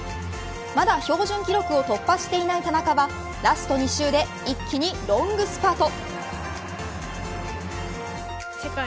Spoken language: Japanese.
まだ標準記録を突破していない田中はラスト２周で一気にロングスパート。